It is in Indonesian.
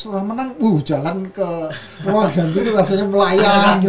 setelah menang jalan ke ruang jantung itu rasanya melayang gitu ya